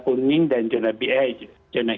kuning dan jurnal bi jurnal